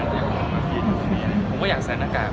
จริงก็พยายามแสดงครับ